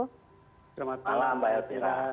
selamat malam mbak elpira